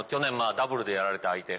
ダブルでやられた相手。